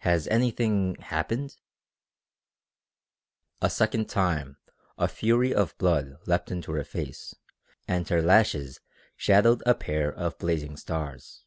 "Has anything happened?" A second time a fury of blood leapt into her face and her lashes shadowed a pair of blazing stars.